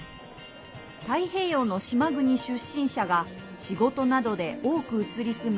太平洋の島国出身者が仕事などで多く移り住む